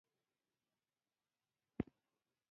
کمه د حقونو د ضایع کېدو په اړه قانوني دعوه.